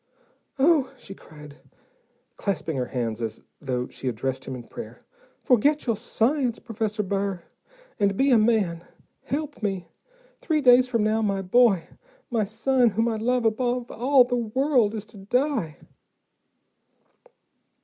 "Oh," she cried, clasping her hands as though she addressed him in prayer, "forget your science, Professor Burr, and be a man. Help me. Three days from now my boy, my son, whom I love above all the world, is to die."